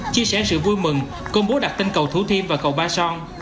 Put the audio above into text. chia sẻ sự vui mừng công bố đặt tên cầu thủ thiêm và cầu ba son